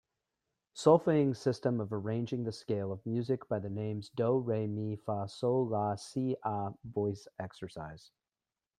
Solfaing system of arranging the scale of music by the names do, re, mi, fa, sol, la, si a voice exercise.